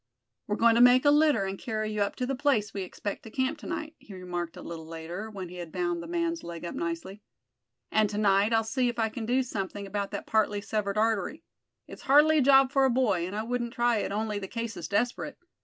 "We're going to make a litter, and carry you up to the place we expect to camp to night," he remarked a little later, when he had bound the man's leg up nicely. "And to night I'll see if I can do something about that partly severed artery. It's hardly a job for a boy, and I wouldn't try it only the case is desperate.